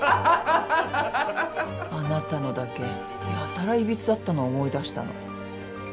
あなたのだけやたらいびつだったのを思い出したの。